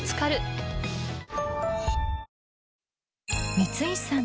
光石さん